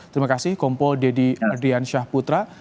terima kasih kompol deddy adrian syahputra